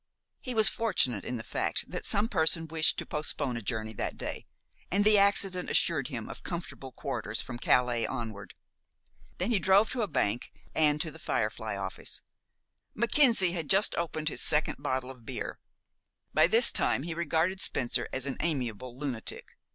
He was fortunate in the fact that some person wished to postpone a journey that day, and the accident assured him of comfortable quarters from Calais onward. Then he drove to a bank, and to "The Firefly" office. Mackenzie had just opened his second bottle of beer. By this time he regarded Spencer as an amiable lunatic.